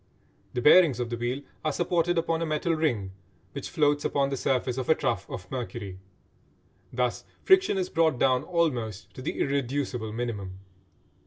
The bearings of the wheel are supported upon a metal ring which floats upon the surface of a trough of mercury. Thus friction is brought down almost to the irreducible minimum.